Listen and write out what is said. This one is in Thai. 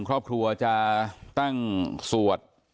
ครอบครัวจะตั้งสวด